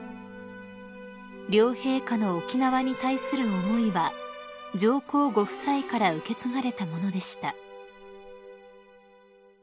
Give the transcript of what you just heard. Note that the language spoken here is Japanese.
［両陛下の沖縄に対する思いは上皇ご夫妻から受け継がれたものでした］